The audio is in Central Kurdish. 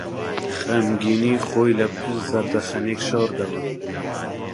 خەمگینیی خۆی لەپشت زەردەخەنەیەک شاردەوە.